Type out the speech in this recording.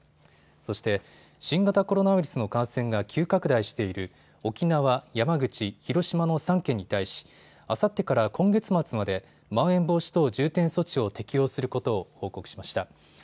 そして新型コロナウイルスの感染が急拡大している沖縄、山口、広島の３県に対し、あさってから今月末まで、まん延防止等重点措置を適用することを報告しました。